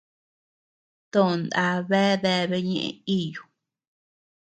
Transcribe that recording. To nda bea deabea ñeʼe iyu.